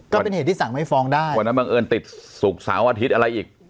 ก็เป็นเหตุที่สั่งไม่ฟ้องได้วันนั้นบังเอิญติดศุกร์เสาร์อาทิตย์อะไรอีก